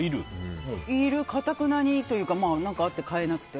いる、かたくなにというか何かあって変えなくて。